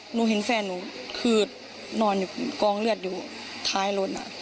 หนูเห็นแฟนนุบนอนกองเลือดอยู่ในถ้ายรถ